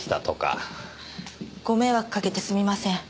ご迷惑かけてすみません。